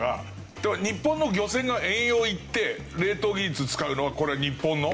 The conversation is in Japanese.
例えば日本の漁船が遠洋行って冷凍技術使うのはこれは日本の？